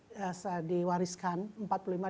pada saat saya menjadi bupati saya diwariskan